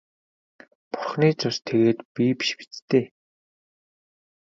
Бурхны цус тэгээд би биш биз дээ.